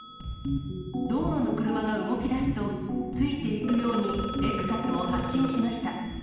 道路の車が動きだすと、ついていくようにレクサスも発進しました。